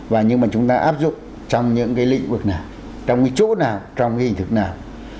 và nhưng mà chúng ta áp dụng trong những cái lĩnh vực nào trong cái chỗ nào trong cái hình thức nào